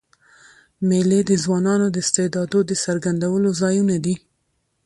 مېلې د ځوانانو د استعدادو د څرګندولو ځایونه دي.